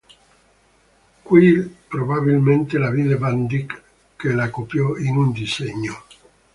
Qui probabilmente la vide van Dyck, che la copiò in un disegno.